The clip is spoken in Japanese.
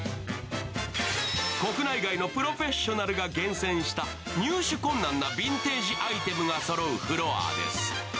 国内外のプロフェッショナルが厳選した、入手困難なヴィンテージアイテムがそろうコーナーです。